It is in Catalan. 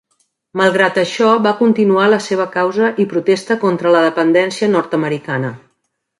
Malgrat això va continuar la seva causa i protesta contra la dependència nord-americana.